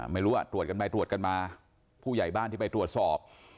ไม่รู้ตรวจกันไปตรวจกันมาผู้ใหญ่บ้านที่ไปตรวจสอบ